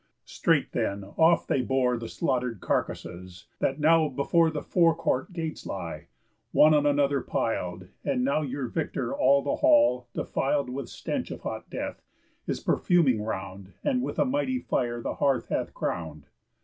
Straight, then, off they bore The slaughter'd carcasses, that now before The fore court gates lie, one on another pil'd. And now your victor all the hall, defil'd With stench of hot death, is perfuming round, And with a mighty fire the hearth hath crown'd.